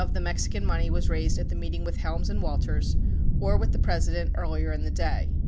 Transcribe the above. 38 Mexican money was raised at the meeting with Helms and Walters or with the President earlier in the day.